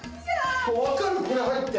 分かるこれ入って。